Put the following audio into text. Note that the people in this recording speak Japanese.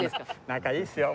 仲いいですよ